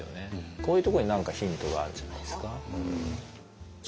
こういうところに何かヒントがあるんじゃないですか。